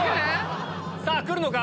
さぁ来るのか？